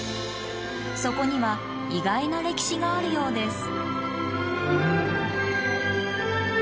そこには意外な歴史があるようです。